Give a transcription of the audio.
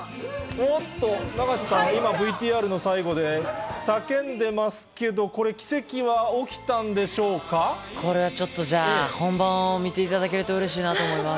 おっと、永瀬さん、今、ＶＴＲの最後で叫んでますけど、これはちょっと、じゃあ、本番を見ていただけるとうれしいなと思います。